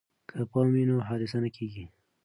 که پام وي نو حادثه نه کیږي.